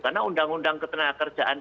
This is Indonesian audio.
karena undang undang ketenangan kerjaan